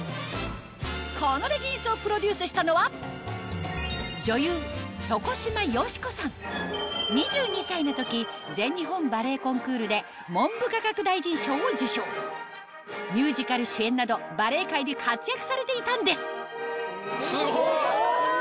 このレギンスをプロデュースしたのは２２歳の時ミュージカル主演などバレエ界で活躍されていたんですすごい！